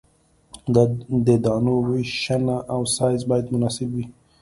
د دانو ویشنه او سایز باید مناسب وي